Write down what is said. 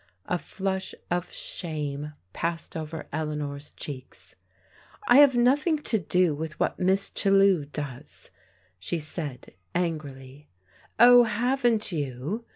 A flush of shame passed over Eleanor's cheeks. " I have nothing to do with what Miss Chellew does," she said angrily. "Oh, haven't you?"